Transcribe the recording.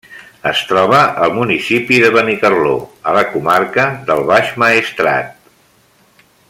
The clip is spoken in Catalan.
Es troba al municipi de Benicarló, a la comarca del Baix Maestrat.